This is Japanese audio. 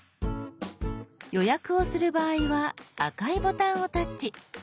予約をする場合は赤いボタンをタッチ。